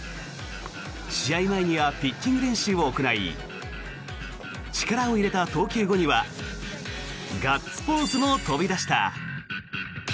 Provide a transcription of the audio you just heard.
試合前にはピッチング練習を行い力を入れた投球後にはガッツポーズも飛び出した。